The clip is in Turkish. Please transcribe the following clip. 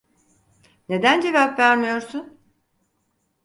Neden cevap vermiyorsun?